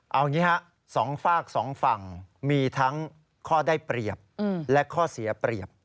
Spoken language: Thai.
เอางี้ฮะสองฝากสองฝั่งมีทั้งข้อได้เปรียบและข้อเสียเปรียบ